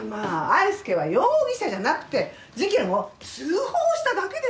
愛介は容疑者じゃなくて事件を通報しただけですよ。